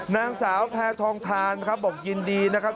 นางสาวแพทองทานครับบอกยินดีนะครับ